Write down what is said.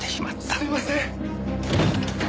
すみません！